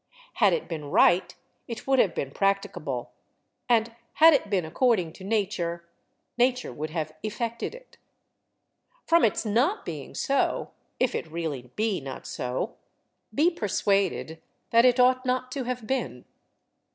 Had it been right it would have been practicable; and had it been according to Nature, Nature would have effected it. From its not being so, if it really be not so, be persuaded that it ought not to have been.